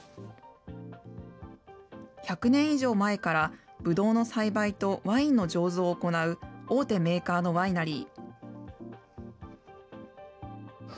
１００年以上前からぶどうの栽培とワインの醸造を行う大手メーカーのワイナリー。